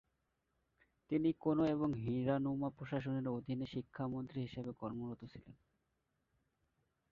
তিনি কোনো এবং হিরানুমা প্রশাসনের অধীনে শিক্ষা মন্ত্রী হিসাবে কর্মরত ছিলেন।